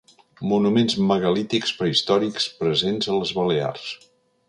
Monuments megalítics prehistòrics, presents a les Balears.